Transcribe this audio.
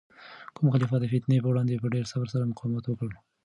کوم خلیفه د فتنې په وړاندې په ډیر صبر سره مقاومت وکړ؟